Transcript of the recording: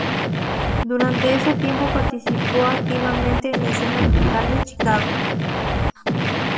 Durante ese tiempo participó activamente en la escena teatral de Chicago.